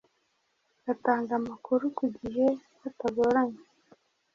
batanga amakuru ku gihe batagoranye